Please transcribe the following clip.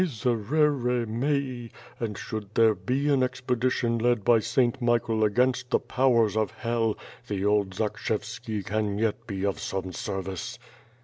"Miserere mei, and should there be an expedition led by St. Michael against the powers of Hell, the old Zakshevski can yet be of some service.